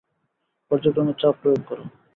পর্যায়ক্রমে চাপ প্রয়োগ করো।